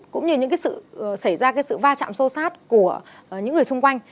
cũng như những sự xảy ra sự va chạm sâu sát của những người xung quanh